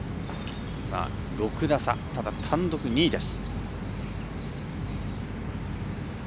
６打差、ただ単独２位です。